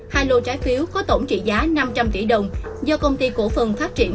hai lô trái phiếu có tổng trị giá năm trăm linh tỷ đồng do công ty cổ phần phát triển